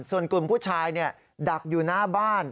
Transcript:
ส่วนกลุ่มผู้ชายดักอยู่หน้าบ้าน